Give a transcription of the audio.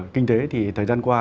kinh tế thì thời gian qua